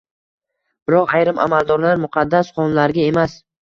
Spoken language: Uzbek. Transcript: Biroq ayrim amaldorlar muqaddas qonunlarga emas